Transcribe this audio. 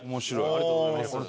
ありがとうございます。